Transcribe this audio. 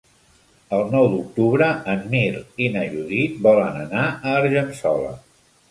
El nou d'octubre en Mirt i na Judit volen anar a Argençola.